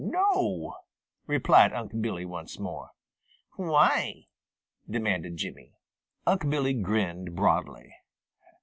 "No," replied Unc' Billy once more. "Why?" demanded Jimmy. Unc' Billy grinned broadly.